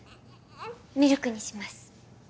ミルクにします